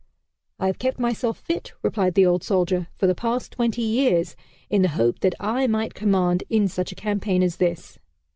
"I have kept myself fit," replied the old soldier, "for the past twenty years, in the hope that I might command in such a campaign as this."